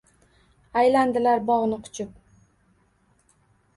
Aylandilar bog‘ni quchib.